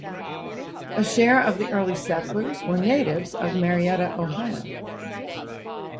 A share of the early settlers were natives of Marietta, Ohio.